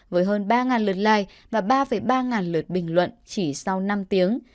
với hơn ba lượt like và ba ba lượt bình luận chỉ sau năm tiếng